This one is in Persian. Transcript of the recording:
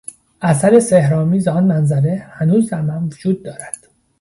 اثر سحرآمیز آن منظره هنوز در من وجود دارد.